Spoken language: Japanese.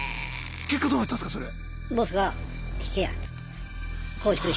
結果どうなったんすかそれ。